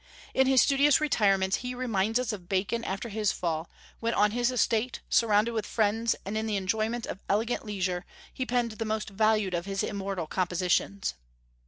In his studious retirement he reminds us of Bacon after his fall, when on his estate, surrounded with friends, and in the enjoyment of elegant leisure, he penned the most valued of his immortal compositions.